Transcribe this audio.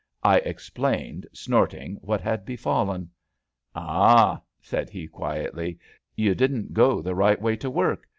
I explained, snorting, what had befallen. " Ay,'* said he quietly, " you didn't go the right way to work.